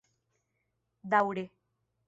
daŭre